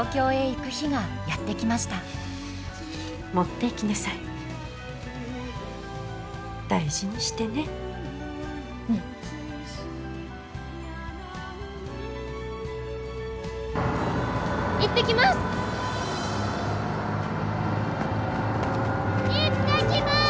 行ってきます！